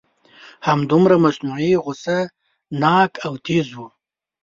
همدومره مصنوعي غصه ناک او تیز و.